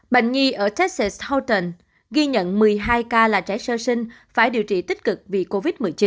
bệnh nhi ở tech houtan ghi nhận một mươi hai ca là trẻ sơ sinh phải điều trị tích cực vì covid một mươi chín